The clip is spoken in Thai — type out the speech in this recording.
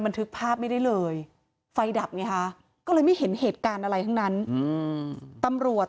ทึกภาพไม่ได้เลยไฟดับไงคะก็เลยไม่เห็นเหตุการณ์อะไรทั้งนั้นตำรวจ